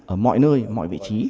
ở mọi nơi mọi vị trí